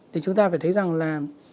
thì chúng ta phải thấy rằng là